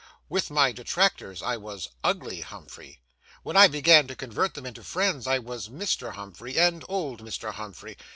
With my detractors, I was Ugly Humphrey. When I began to convert them into friends, I was Mr. Humphrey and Old Mr. Humphrey.